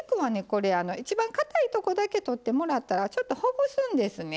これ一番かたいとこだけ取ってもらったらちょっとほぐすんですね。